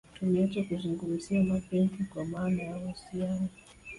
Tumeacha kuzungumzia mapenzi kwa maana ya uhusiano